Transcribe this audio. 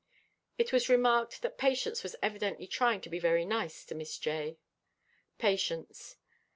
It was remarked that Patience was evidently trying to be very nice to Miss J. _Patience.